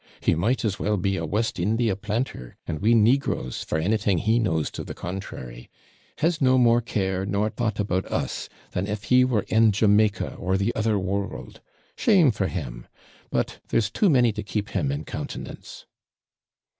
He might as well be a West India planter, and we negroes, for anything he knows to the contrary has no more care, nor thought about us, than if he were in Jamaica, or the other world. Shame for him! But there's too many to keep him in countenance.'